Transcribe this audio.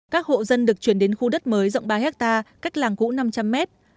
các hộ dân được chuyển đến khu đất mới rộng ba hectare cách làng cũ năm trăm linh mét